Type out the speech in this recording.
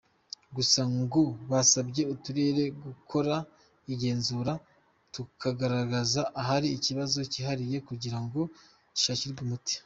Gusa ngo basabye uturere gukora igenzura tukagaragaza ahari ikibazo cyihariye kugira ngo gishakirwe umuti.